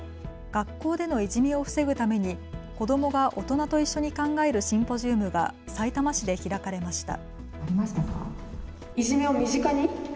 学校でのいじめを防ぐために子どもが大人と一緒に考えるシンポジウムがさいたま市で開かれました。